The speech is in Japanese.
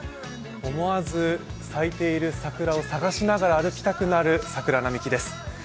思わず咲いている桜を探しながら歩きたくなる桜並木です。